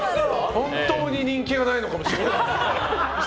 本当に人気がないのかもしれない。